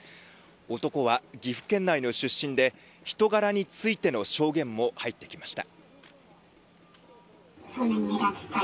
男は岐阜県内の出身で人柄についての証言も入ってきました。